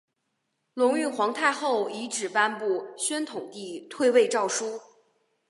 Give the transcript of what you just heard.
隆裕皇太后懿旨颁布宣统帝退位诏书。